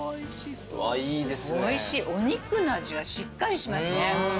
おいしいお肉の味がしっかりしますね。